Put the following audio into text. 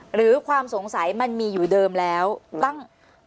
หรือความสงสัยมันมีอยู่เดิมแล้วตั้ง